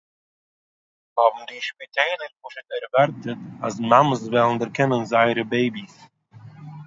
האָבן די שפּיטעלער פּשוט ערוואַרטעט אַז מאַמעס וועלן דערקענען זייערע בעיביס